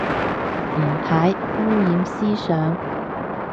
唔睇，污染思想